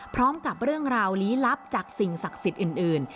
พร้อมกับเรื่องราวลี้ลับจากสิ่งศักดิ์สิทธิ์อื่น